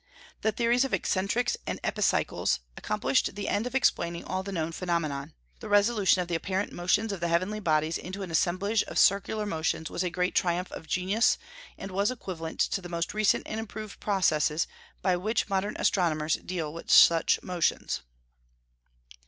The theories of eccentrics and epicycles accomplished the end of explaining all the known phenomena. The resolution of the apparent motions of the heavenly bodies into an assemblage of circular motions was a great triumph of genius, and was equivalent to the most recent and improved processes by which modern astronomers deal with such motions."